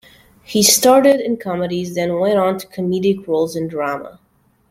He started in comedies, then went on to comedic roles in drama.